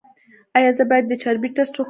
ایا زه باید د چربي ټسټ وکړم؟